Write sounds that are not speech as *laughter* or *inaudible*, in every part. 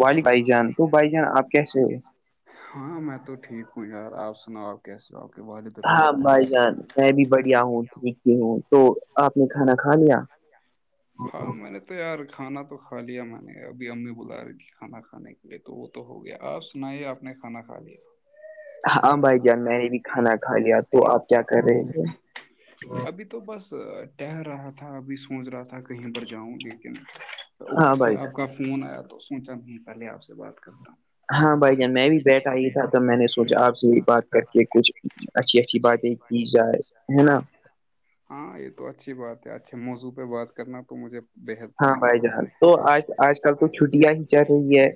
والی بھائی جان تو بھائی جان آپ کیسے ہو ہاں میں تو ٹھیک ہوں یار آپ سناؤ آپ کی ساب ہاں بھائی جان میں بھی بڑھیا ہوں ٹھیک ہوں تو آپ نے کھانا کھا لیا تو یار کھانا تو کھا لیا میں نے ابھی امی بلا رہی تھی کھانا کھانے کے لیے تو وہ تو ہو گیا آپ سنائیے آپ نے کھانا کھا لیا ہاں بھائی جب میں نے کھانا کھا لیا تو آ کر ابھی تو تو بس ٹہر رہا تھا ابھی سوچ رہا تھا کہیں پر جاؤں لیکن اوپر سے آپ کا فون آیا تو سوچا نہیں پہلے آپ سے بات کرتا ہوں ہاں بھائی جان میں بھی بیٹھا ہی تھا تب میں نے سوچا آپ سے بات کر کے کچھ اچھی اچھی باتیں کی جائے ہے نا ہاں یہ تو اچھی بات ہے اچھے موضوع پہ بات کرنا تو مجھے ہاں بھائی جہان تو آج آج کل تو چھٹیاں ہی چل رہی ہے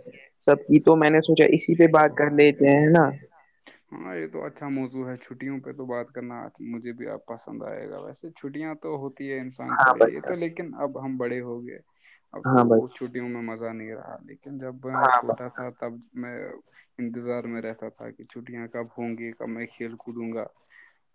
سب کی تو میں نے سوچا اسی پہ بات کر لیتے ہیں نا ہاں یہ تو اچھا موضوع ہے چھٹیوں پہ تو بات کرنا مجھے بھی آپ پسند آئے گا ویسے چھٹیاں تو ہوتی ہے انسان کے لیے یہ تو لیکن اب ہم بڑے ہو گئے اب تو چھٹیوں میں مزہ نہیں رہا لیکن جب چھوٹا تھا تب میں انتظار میں رہتا تھا کہ چھٹیاں کب ہوں گی کب میں کھیل کودوں گا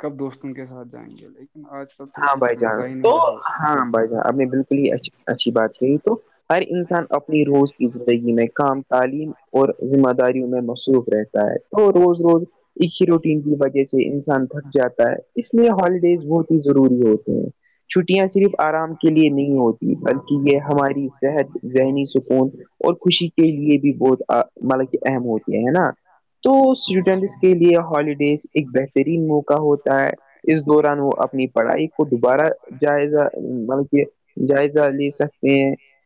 کب دوستوں کے ساتھ جائیں گے لیکن آج کل تو ا بھائی جان تو ہاں بھائی جان آپ نے بالکل ہی اچھی بات کہی تو ہر انسان اپنی روز کی زندگی میں کام تعلیم اور ذمہ داریوں میں مصروف رہتا ہے تو روز روز ایک ہی روٹین کی وجہ سے انسان تھک جاتا ہے اس لیے ہالیڈیز بہت ضروری ہوتے ہیں چھٹیاں صرف آرام کے لیے نہیں ہوتی بلکہ یہ ہماری صحت ذہنی سکون اور خوشی کے لیے بھی بہت مطلب کہ اہم ہوتی ہے ہے نا تو اسٹوڈنٹس کے لیے ہالیڈیز ایک بہترین موقع ہوتا ہے اس دوران وہ اپنی پڑھائی کو دوبارہ جائزہ مط کہ جائزہ لے ستے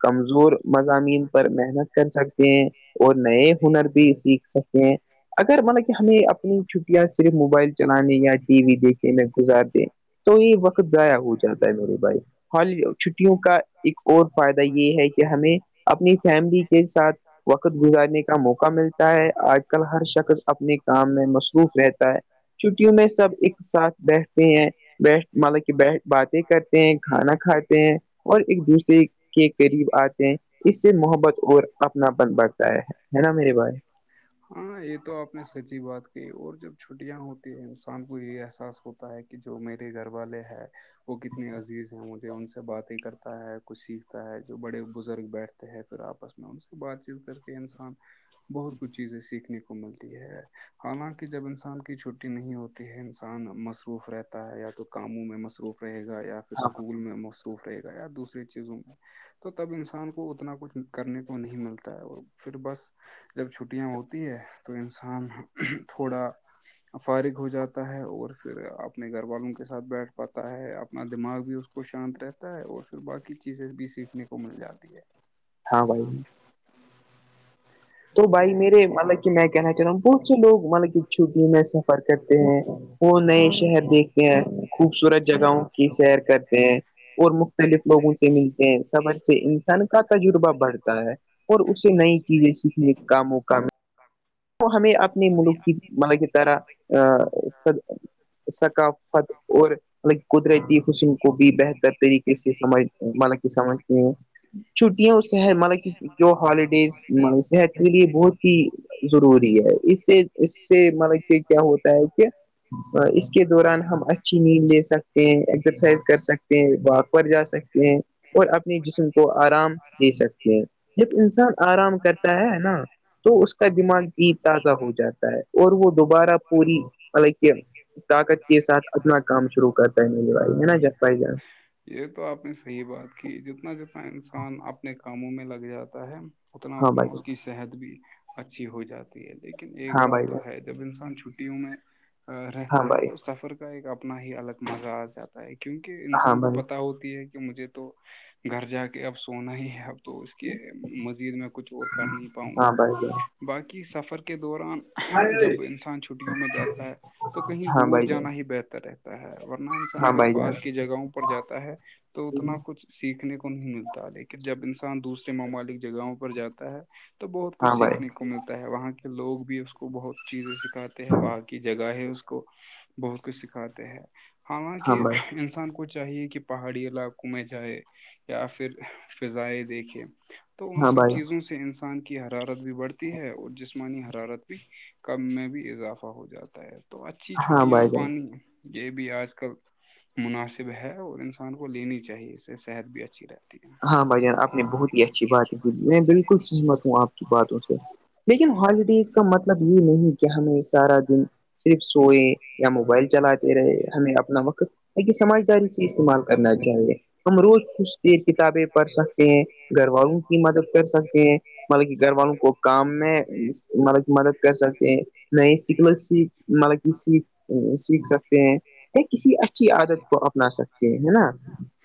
کمزور مضامین پر نہیں محنت کر سکتے ہیں اور نئے ہنر بھی سیکھ سکتے ہیں اگر مل کہ ہمیں اپنی چھٹیاں صرف موبائل چلانے یا ٹی وی دیکھنے میں گزار د تو یہ وقت ضائع ہو جاتا ہے میرے بھائی ہالی چھٹیوں کا ایک اور فائدہ یہ ہے کہ ہمیں اپنی فیملی کے ساتھ وقت گزارنے کا موقع ملتا ہے آج کل ہر شخص اپنے کام میں مصروف رہتا ہے چھٹیوں میں سب ایک ساتھ بیٹھتے ہیں بیسٹ مطلب کہ بی باتیں کرتے ہیں کھانا کھاتے ہیں اور ایک دوسرے کے قریب آتے ہیں اس سے محبت اور اپناپن بڑھتا ہے ہے نا میرے بھائی ہاں یہ تو آپ نے سچی بات کہ اور جب چھٹیاں ہوتی ہیں انسان کو یہ احساس ہوتا ہے کہ جو میرے گھر والے ہیں وہ کتنے عزیز ہیں مجھے ان سے باتیں کرتا ہے کچھ سیکھتا ہے جو بڑے بزرگ بیٹھتے ہیں پھر آپ س میں ان سے بات چیت کر کے انسان بہت کچھ چیزیں سیکھنے کو ملتی ہے حالانکہ جب انسان کی چھٹی نہیں ہوتی ہے انسان مصروف رہتا ہے یا تو کاموں میں مصروف رہے گا یا پ اسکول میں مصروف رہے گا ی دوسریے چیزوں میں تو تب انسان کو اتنا کچھ کرنے کو نہیں ملتا ہے اور پھر بس جب چھٹیاں ہوتی ہے تو انسان تھوڑا فارغ ہو جاتا ہے اور پھر اپنے گھر والوں کے ساتھ بیٹھ پاتا ہے اپنا دماغ بھی اس کو کو شانت رہتا ہے اور پھر باقی چیزز بھی سیکھنے کو مل جاتی ہے ہاں بھائی تو بھائی میرے مطلب کہ میں کہنا چاہ رہا ہوں بہت سے لوگ مطلب کہ چھٹیوں میں سفر کرتے ہیں وہ نئے شہر دیکھتے ہیں خوبصورت جگہوں کی سیر کرتے ہیں اور مختلف لوگوں سے ملتے ہیں صبر سے انسان کا تجربہ بڑھتا ہے اور اسے نہیں چیزیں سیکھنے کا موقع م تو ہمیں اپنے ملک کی مطلب کہ طرح ا ثقافت اور قدرتی حسن کو بھی بہتر طریقے سے سمجھ مطلب کہ سمجھ چھٹیاں اس مطلب کہ جو ہالیڈیز صت اس لیے بہت ہی ضروری ہے اس سے اس سے مطلب کہ کیا ہوتا ہے کہ اس کے دوران ہم اچھی نیند لے سکتے ہیں ایکزرسائز کر سکتے ہیں واک پر جا سکتے ہیں اور اپنے جسم کو آرام دے سکتے ہیں جب انسان آرام کرتا ہے نا تو اس کا دماغ بھی تازہ ہو جاتا ہے اور وہ دوبارہ پوری مل طاقت کے ساتھ اپنا کام شروع کرتا ہے میرے بھائی ہے نا ج بھائی ج یہ تو آپ نے صحی بات کی جتنا جتنا انسان اپنے کاموں میں لگ جاتا ہے اتنا اتنا اس کی صحت بھی اچھی ہو جاتی ہے لیکن ایک بات تو ہے جب انسان چھٹیوں میں رہتا ہے تو سفر کا ایک اپنا ہی الگ مزہ آ جاتا کیونکہ انسان کو پتا ہوتی ہے کہ کہ مجھے تو گھر جا کے اب سونا ہی اب تو اس کے میں کچھ اور کر نہیں پاؤں گا باقی سفر کے دوران جب انسان چھٹیوں میں جاتا ہے تو کہیں دور جانا ہی بہتر رہتا ہے ورنہ انسان اگر پاس کی جگہوں پر جاتا ہے تو اتنا کچھ سیکھنے کو نہیں ملتا لیکن جب انسان دوسرے ممالک جگہوں پر جاتا ہے تو بہت کچھ سیکھنے کو ملتا ہے وہاں کے لوگ بھی اس کو بہت چیزیں س سکھاتے ہیں وہاں کی جگہ ہے اس کو بہت کچھ سکھاتے ہیں حالانکہ انسان کچھ چاہیے کہ پہاڑی علاقوں میں جائے یا پھر فضائے دیکھے تو ان سب چیزوں سے انسان کی حرارت بھی بڑھتی ہے اور جسمانی حرارت بھی کم میں بھی اضافہ ہو جاتا ہے تو اچھی چھٹیاں پانی یہ بھی آج کل مناسب ہے اور انسان کو لینی چاہیے اس سے صحت بھی اچھی رہ ہاں بھائی جان آپ نے بہت ہی اچھی بات کی دی میں بال سحمت ہوں آپ کی باتوں سے لیکن ہالیڈیز کا مطلب یہ نہیں کہ ہمیں سارا دن صرف سوئے یا موبائل چلاتے رہے ہمیں اپنا وقت سمجداری سے استعمال کرنا چاہیے ہم روز خوش تھ کتابیں پڑھ سکتے ہیں گھر والوں کی مدد کر سکتے ہیں مطلب کہ گھر والوں کو کام میں ملب مدد کر سکتے ہیں نہیں سیکھ مطلب سیکھ سیکھ سکتے ہیں کسی اچھی عادت کو بنا سکتے ہیں نا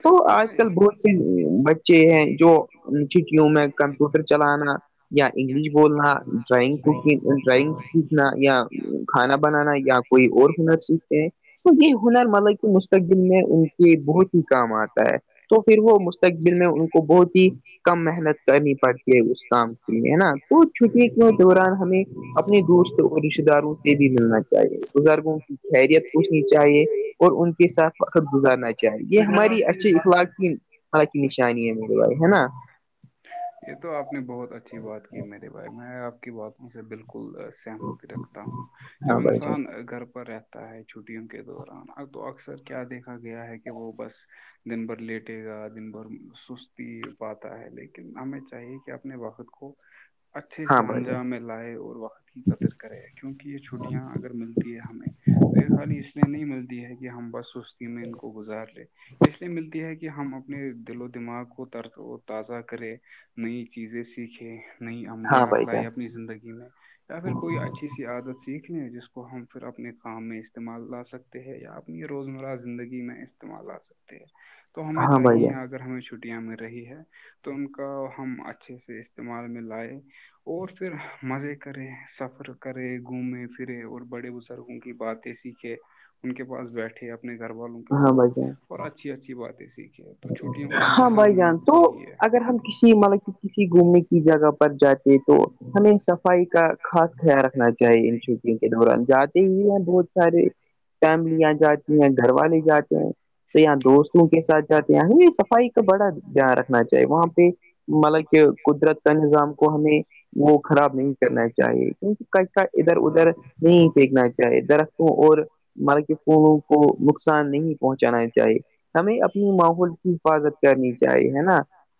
تو آج کل بہت سی *unintelligible* بچے ہیں جو چھٹیوں میں کمپیوٹر چلانا یا انگلش بولنا ڈراائنگ کوکنگ ڈرائگ سکنا یا کھانا بنانا یا کوئی اور ہنر سیکھتے ہیں تو یہ ہنر مطلب کہ مشل مستقبل میں ان کے بہت ہی کام آتا ہے تو پھر وہ مستقبل میں ان کو بہت ہی کم محنت کرنی پڑتی ہے اس کام کے لیے ہے نا تو چھٹی کے دوران ہمیں اپنی دوست داروں سے بھی ملنا چاہیے بزرگوں کی خیریت پوچھنی چاہیے اور ان کے ساتھ وقت گزارنا چاہیے یہ ہماری اچے اخلاق کی حالکہ نشانی ہے میرے بھائی ہے نا یہ تو آپ نے بہت اچھی بات کی میرے بھائی میں آپ کی باتوں سے بالکل سہمت رکھتا ہوں جب انسان گھر پر رہتا تا ہے چھٹیوں کے دوران اب تو اکثر کیا دیکھا گیا ہے کہ وہ بس دن بھر لیٹے گا دن بھر سستی پاتا ہے لیکن ہمیں چاہیے کہ اپنے وقت کو اچھے سے انجام میں لائے اور وقت کی قدر کرے کیونکہ یہ چھٹیاں اگر ملتی ہے ہمیں تو یہ خالی اس لیے نہیں ملتی ہے کہ ہم بس سستی میں ان کو گزار لے اس لیے ملتی ہے کہ ہم اپنے دل و دماغ کو ترد وہ تازہ کرے نئی چیزیں سیکھے نئی عملیات لائے اپنی زندگی میں یا پھر کوئی اچھی سی عادت سیکھ لیں جس کو ہم پھر اپنے کام میں استعمال لا سکتے ہیں یا روزمرہ زندگی میں استعمال آ سکتے ہیں تو ہمیں چاہیے اگر ہمیں شوع چھٹیاں میں رہی ہے تو ان کا ہم اچھے سے استعمال میں لائے اور پھر مزے کرے سب کرے گھومے پھرے اور بڑے بزرگوں کی باتیں سیکھے ان کے پاس بیٹھے اپ اپنے گھر والوں کے ساتھ اور اچھی اچھی باتیں سیکھ ہاں بھائی جان تو اگر ہم کسی ملب کسی گوم میں جگہ پر جاتے تو ہمیں صفائی کا خاص خیال رکھنا چاہیے ان چز کے دوران جاتے ہی ہیں بہت سارے فیملیاں جاتی ہیں گھر والے جاتے ہیں تو یااں دوستوں کے ساتھ جاتے ی صفائی کا بڑا دھیان رکھنا چاہیے وہاں پہ مطلب کہ قدرت کا نظام کو ہمیں وہ خراب نہیں کرنا چاہیے کیونک کا ادھر ادھر نہیں پھینکنا چاہیے درختوں اور مارکی کو نقصان نہیں پہنچانا چاہیے ہمیں اپنی ماحول کی حفاظت کرنی چاہی ہے نا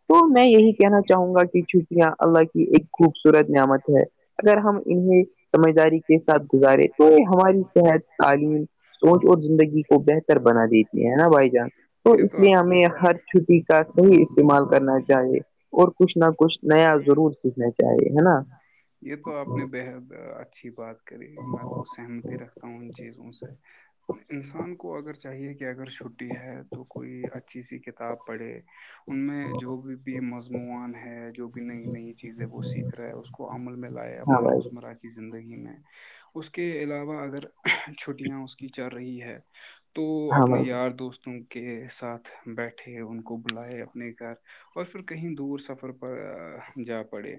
تو میں یہی کہنا چاہوں گا کہ چھٹیاں اللہ کی ایک خوبصورت نعمت ہے اگر ہم انہیں سمجھداری کے ساتھ گزارے تو یہ ہماری صحت تعلیم سوچ اور زندگی کو بہتر بنا دیتی ہے نا بھائی جان تو اس لیے ہم ہر چھٹی کا صحیح استعمال کرنا چاہیے اور کچھ نہ کچھ نیا ضرور سیکھنا چاہے نا یہ تو آپ نے بےحد اچھی بات کری میں تو سہمتی رکھتاوں ان چیزوں سے انسان کو اگر چاہیے کہ کہ اگر چھٹی ہے تو کوئی اچھی سی کتاب پڑھے ان میں جو بھی بھی مضموعان ہے جو نئی نئی چیزیں وہ سیکھ رہا ہے اس کو عمل میں لائے اپنی روزمرہ کی زندگی میں اس کے علاوہ اگر چھٹیاں اس کی چل رہی ہے تو اپنے یار دوستوں کے ساتھ بیٹھے ان کو بلائے اپنے گھر اور پھر کہیں دور سفر پر جا پڑے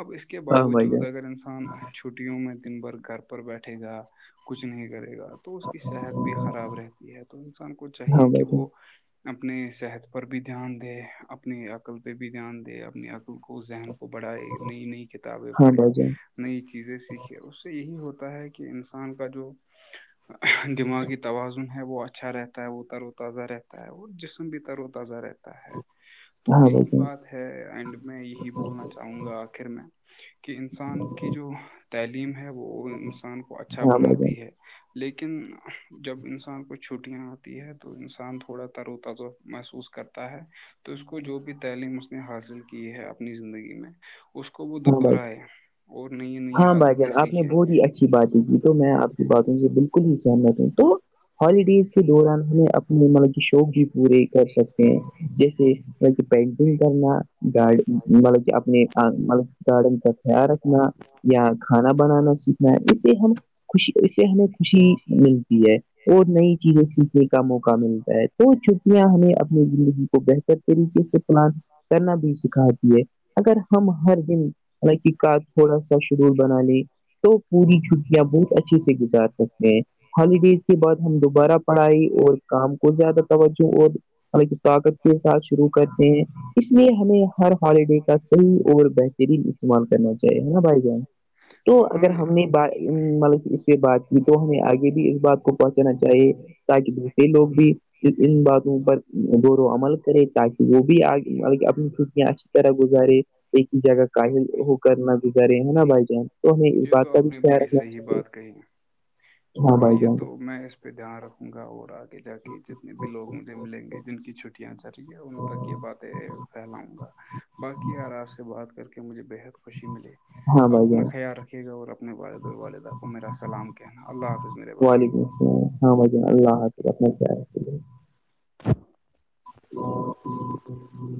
اب اس کے باوجود اگر انسان چھٹیوں میں دن بھر گھر پر بیٹھے گا کچھ نہیں کرے گا تو اس کی صحت بھی خراب رہتی ہے تو انسان کو چاہیے کہ وہ اپنے صحت پر بھی دھیان دے اپنی عقل پہ بھی دھیان دے اپنی عقل کو ذہن وہ پڑھائے نئی نئی کتابیں پڑھے نئی چیزیں سیکھیں اس سے یہی ہوتا ہے کہ انسان کا جو دماغی تووازن ہے وہ اچھا رہتا ہے وہ تر و تازہ رہتا ہے اور جسم بھی تر و تازہ رہتا ہے ہے تو یہی بات ہے اینڈ میں یہی بولنا چاہوں گا آخر میں کہ انسان کی جو تعلیم ہے وہ انسان کو اچھا بناتی ہے لیکن جب انسان کو چھٹیاں آتی ہیں تو انسان تھوڑا تر و تازا محسوس کرتا ہے تو اس کو جو بھی تعلیم اس نے حاصل کی ہے اپنی زندگی میں اس کو وہ دہرائے اور نئی نئی عادتیں سیکھے تو میں آپ کی بات ہوں یہ بالکل ہی سہمت ہوں تو ہالیڈیز کے دوران ہمیں اپنے مطلب شوق بھی پورے کر سکتے ہیں جیسے مطلب کہ پیکنگ کرنا گا مطلب کہ اپنی مطب گارڈن کا خیال رکھنا یا کھانا بنانا سیکھنا اسے ہم خوشی اس سے ہمیں خوشی ملتی ہے اور نئی چیزیں سیکھنے کا موقع ملتا ہے تو چھٹیاں ہمیں اپنی زندگی کو بہتر طریقے سے پلانٹ کرنا بھی سکھاتی ہے اگر ہم ہر دن حقیقات تھوڑا سا شرور بنا لیں تو پوری چھ یا بہت اچھی سے گزار سکتے ہیں ہالیڈیز کے بعد ہم دوبارہ پڑھائے اور کام کو زیادہ توجہ اور الکہ طاقت کے ساتھ شروع کرتے ہیں اس لیے ہمیں ہر ہالیڈے کا صحیح اور بیٹھ استعمال کرنا چاہیے نا بھائی جان تو اگر ہم نے ب مطلب اس پ بات کی تو ہمیں آگے بھی اس بات کو پہنچانا چاہیے تاکہ دورے لوگ بھی ان باتوں پر دور و عمل کرے تاکہ وہ بھی اپنی چھٹیاں اچھی طرح گزارے ایک ہی جگہ اہل وہ کرنا گزارے ہے نا بھائی جان تو ہمیں اس بات کا بھی خیال رکھنا چاہیے ہاں بائی جان گ میں اس پہ دھیان رکھوں گا اور آگے جا کے جتنے بھی لوگ مجھے ملیں گے جن کی چھٹیاں چل رہیی ان تک یہ باتیں پھیلاؤں گا باقی یار آپ سے بات کر کے مجھے بےحد کش خوشی ملے اب اپنا خیال رکھھیے گا اور اپنے والد والدہ وہ میرا سلام کہنا اللہ حافظ میرے بھائی اچ ہاں ون اللہ حافظ اپنا کیا *unintelligible*